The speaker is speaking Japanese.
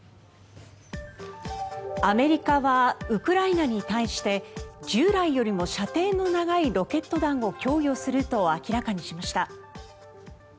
アメリカはウクライナに対して従来よりも射程の長いロケット弾を供与すると明らかにしました。